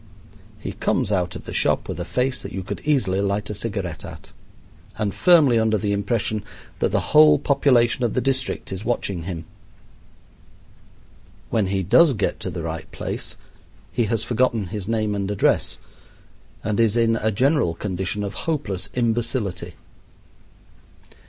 He comes out of the shop with a face that you could easily light a cigarette at, and firmly under the impression that the whole population of the district is watching him. When he does get to the right place he has forgotten his name and address and is in a general condition of hopeless imbecility.